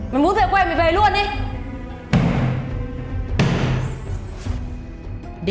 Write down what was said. mày muốn về quê mày về luôn đi